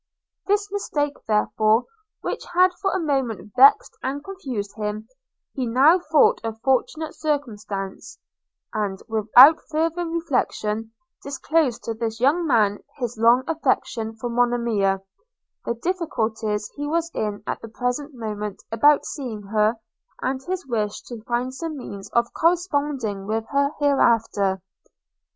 This mistake therefore, which had for a moment vexed and confused him, he now thought a fortunate circumstance, and, without farther reflection, disclosed to this young man his long affection for Monimia; the difficulties he was in at the present moment about seeing her; and his wish to find some means of corresponding with her hereafter.